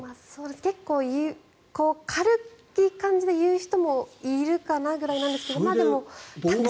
結構軽い感じで言う人もいるかなぐらいなんですけど。